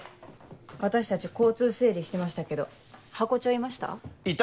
私たち交通整理してましたけどハコ長いました？